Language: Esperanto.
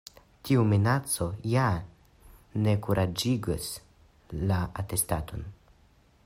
Tiu minaco ja ne kuraĝigis la atestanton.